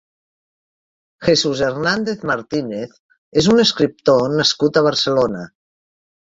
Jesús Hernández Martínez és un escriptor nascut a Barcelona.